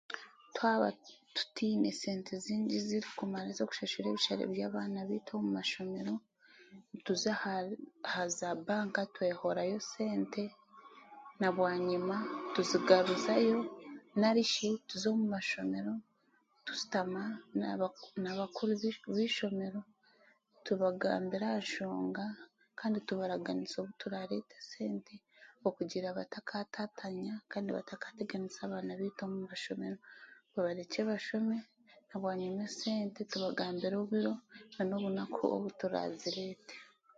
Twaba tutaine sente zaitu zirikumara z'okushashura ebishare by'abaana baitu omu mashomero, nituza ahari aha za banka twehorayo sente, nabwanyima, tuzigaruzayo, narishi tuza omu mashomero tushutama n'abakuru baishomero, tubagambira aha nshonga kandi tubaragaanisa oku turaashashure, okugira ngu batakaateganisa abaana baitu omu mashomero, babarekye bashome, tubagambira obwire nanobunaku obu turazireete.